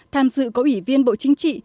tham dự có ủy viên bộ chính trị